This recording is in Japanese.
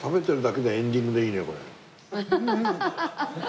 アハハハハ。